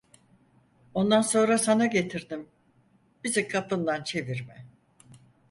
Ondan sonra sana getirdim… Bizi kapından çevirme!